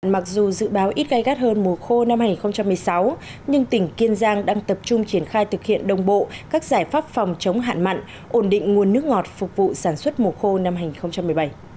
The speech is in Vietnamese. mặc dù dự báo ít gây gắt hơn mùa khô năm hai nghìn một mươi sáu nhưng tỉnh kiên giang đang tập trung triển khai thực hiện đồng bộ các giải pháp phòng chống hạn mặn ổn định nguồn nước ngọt phục vụ sản xuất mùa khô năm hai nghìn một mươi bảy